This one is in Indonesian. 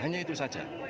hanya itu saja